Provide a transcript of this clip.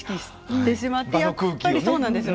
やっぱりそうなんですよ。